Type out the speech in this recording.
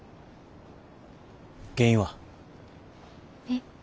原因は？え？